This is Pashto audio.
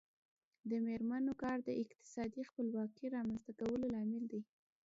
د میرمنو کار د اقتصادي خپلواکۍ رامنځته کولو لامل دی.